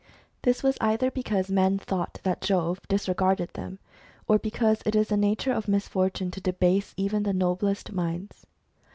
This was either because men thought that Jove disregarded them, or because it is the nature of misfortune to debase even the noblest minds.